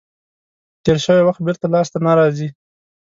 تیر شوی وخت بېرته لاس ته نه راځي.